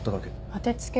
当て付け？